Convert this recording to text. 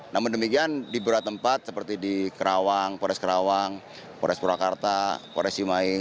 namun demikian di beberapa tempat seperti di kerawang polres kerawang polres purwakarta polres cimahi